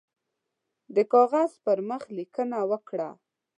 د کاغذ پر مخ لیکنه وکړه.